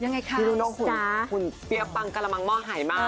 วิ๊วน้องหุ่นเฟียบปั้งกะละมังมอกหายมาก